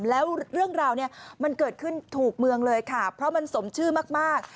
แล้วเรื่องราวเนี่ยมันเกิดขึ้นถูกเมืองเลยค่ะเพราะมันสมชื่อมาก